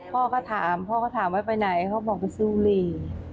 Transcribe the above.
พ่อก็ถามพ่อก็ถามไว้ไปไหนเขาบอกไปซู่รี